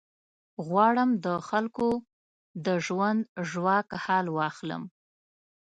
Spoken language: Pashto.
غواړم د خلکو د ژوند ژواک حال واخلم.